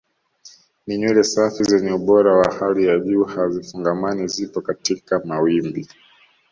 Ni nywele safi zenye ubora wa hali ya juu hazifungamani zipo katika mawimbi